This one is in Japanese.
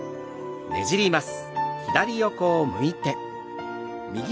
ねじります。